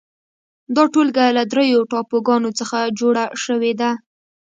دا ټولګه له درېو ټاپوګانو څخه جوړه شوې ده.